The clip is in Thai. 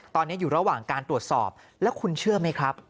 ตอนนี้อยู่ระหว่างการตรวจสอบแล้วคุณเชื่อไหมครับ